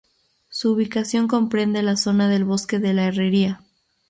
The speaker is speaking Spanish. Su ubicación comprende la zona del Bosque de la Herrería.